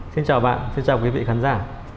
xin chào bạn xin chào quý vị khán giả